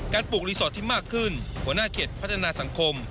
ปลูกรีสอร์ทที่มากขึ้นหัวหน้าเขตพัฒนาสังคม